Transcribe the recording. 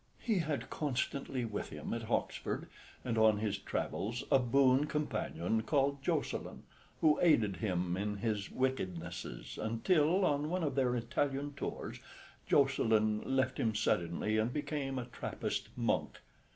He had constantly with him at Oxford and on his travels a boon companion called Jocelyn, who aided him in his wickednesses, until on one of their Italian tours Jocelyn left him suddenly and became a Trappist monk.